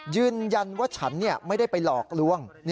ยืนยันว่าฉันไม่ได้ไปหลอกลวง